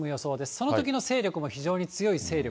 そのときの勢力も非常に強い勢力